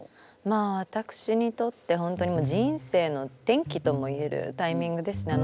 まあ私にとって本当に人生の転機とも言えるタイミングですね。